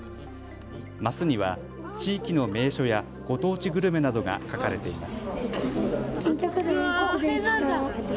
ますには地域の名所やご当地グルメなどが書かれています。